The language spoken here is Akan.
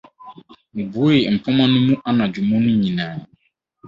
Mibuee mpomma no mu anadwo mũ no nyinaa.